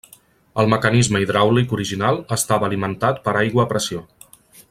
El mecanisme hidràulic original estava alimentat per aigua a pressió.